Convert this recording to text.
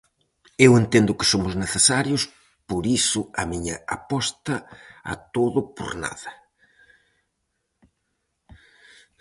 Eu entendo que somos necesarios por iso a miña aposta a todo por nada.